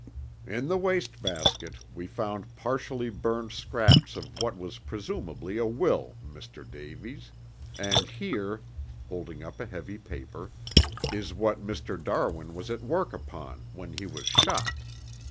"In the waste basket we found partially burned scraps of what was presumably a will, Mr. Davies, and here," holding up a heavy paper, "is what Mr. Darwin was at work upon when he was shot.